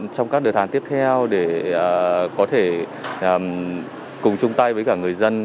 trong các đợt hàng tiếp theo để có thể cùng chung tay với cả người dân